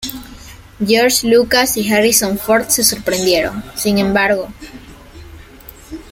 George Lucas y Harrison Ford se sorprendieron, sin embargo.